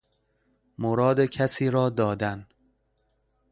مراد کسیرا دادن